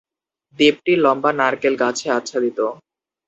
দ্বীপটি লম্বা নারকেল গাছে আচ্ছাদিত।